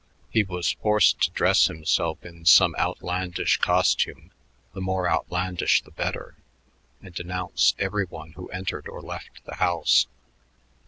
He was forced to dress himself in some outlandish costume, the more outlandish the better, and announce every one who entered or left the house.